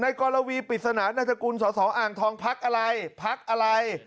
ในกรณวีปริศนานนาธกุลสอทองภักดิ์อะไรภักดิ์อะไร